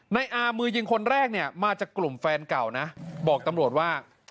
นายอามือยิงคนแรกเนี่ยมาจากกลุ่มแฟนเก่านะบอกตำรวจว่า